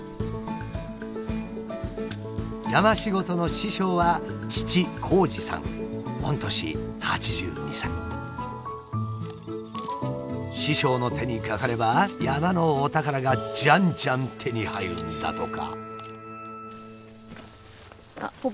山仕事の師匠は師匠の手にかかれば山のお宝がじゃんじゃん手に入るんだとか。